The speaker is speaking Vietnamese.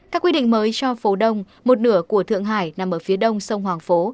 các quy định mới cho phố đông một nửa của thượng hải nằm ở phía đông sông hoàng phố